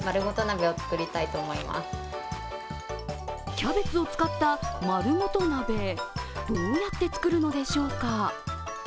キャベツを使ったまるごと鍋どうやって作るのでしょうか。